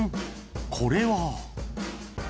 これは］